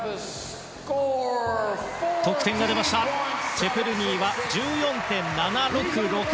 チェプルニーの得点は１４．７６６。